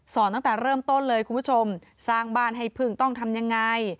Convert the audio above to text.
ตั้งแต่เริ่มต้นเลยคุณผู้ชมสร้างบ้านให้พึ่งต้องทำยังไง